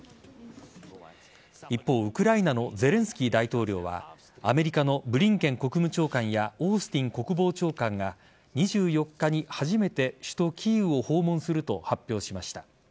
一方、ウクライナのゼレンスキー大統領はアメリカのブリンケン国務長官やオースティン国防長官が２４日に初めて首都・キーウを訪問すると発表しました。